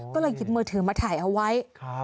ก็เลยหยิบเมอร์เทอร์มาถ่ายเอาไว้